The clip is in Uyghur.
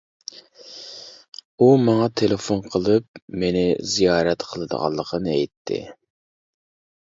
ئۇ ماڭا تېلېفون قىلىپ، مېنى زىيارەت قىلىدىغانلىقىنى ئېيتتى.